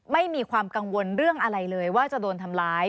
ไม่มีความกังวลเรื่องอะไรเลยว่าจะโดนทำร้าย